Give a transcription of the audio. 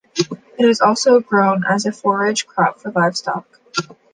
It is also grown as a forage crop for livestock.